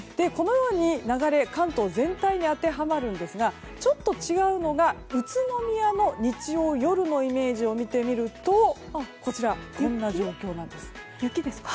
このように流れ関東全体に当てはまるんですがちょっと違うのが宇都宮の日曜夜のイメージを見てみるとこんな状況なんです。